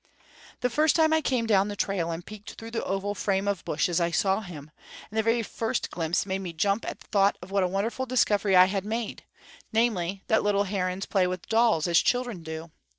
The first time I came down the trail and peeked through the oval frame of bushes, I saw him; and the very first glimpse made me jump at the thought of what a wonderful discovery I had made, namely, that little herons play with dolls, as children do.